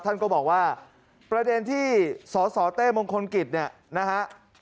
ท่านก็บอกว่าประเด็นที่สสเต้มงคลกิจเนี่ยนะฮะ